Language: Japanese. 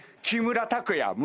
木村拓哉。